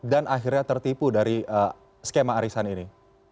dan akhirnya tertipu dari skema arisan ini